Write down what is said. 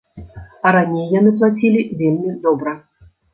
А раней яны плацілі вельмі добра.